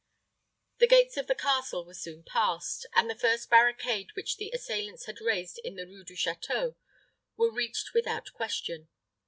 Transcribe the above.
The gates of the castle were soon passed; and the first barricade which the assailants had raised in the Rue du Château was reached without question.